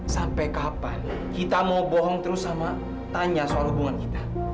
sampai kapan kita mau bohong terus sama tanya soal hubungan kita